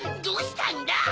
どうしたんだ？